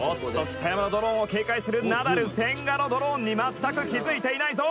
北山ドローンを警戒するナダル」「千賀のドローンに全く気付いていないぞ」